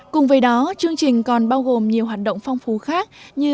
cùng với đó chương trình còn bao gồm nhiều hoạt động phong phú khác như